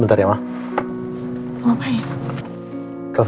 minta kamu mengopin